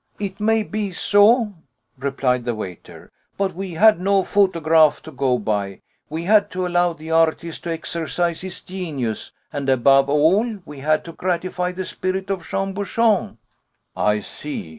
"It may be so," replied the waiter. "But we had no photograph to go by. We had to allow the artist to exercise his genius, and, above all, we had to gratify the spirit of Jean Bouchon." "I see.